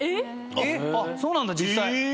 えっ⁉そうなんだ実際。